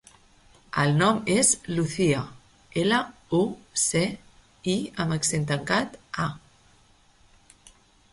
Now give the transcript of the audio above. El nom és Lucía: ela, u, ce, i amb accent tancat, a.